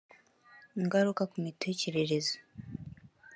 Ingaruka ku mitekerereze